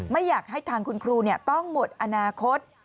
ไม่อยากให้ทางคุณครูต้องหมดอนาคต